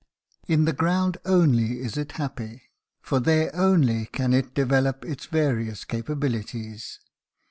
In the ground only is it happy, for there only can it develop its various capabilities.